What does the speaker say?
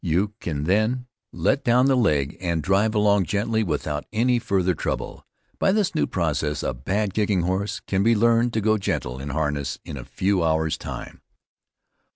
You can then let down the leg and drive along gently without any farther trouble. By this new process a bad kicking horse can be learned to go gentle in harness in a few hours' time.